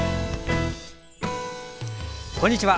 こんにちは。